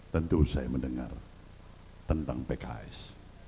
tentu saya mendengar tentang pks